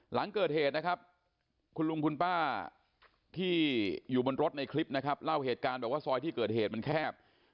หลังเกิดเหตุนะครับคุณลุงคุณป้าที่อยู่บนรถในคลิปนะครับเล่าเหตุการณ์บอกว่าซอยที่เกิดเหตุมันแคบ